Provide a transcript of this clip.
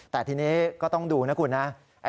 แต่ทีนี้ก็ต้องดูนะคุณนะ